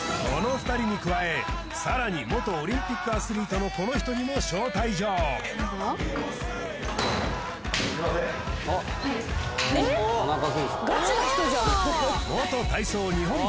この２人に加えさらに元オリンピックアスリートのこの人にも招待状すいませんはい